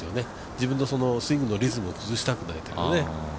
自分のスイングのリズムを崩したくないというね。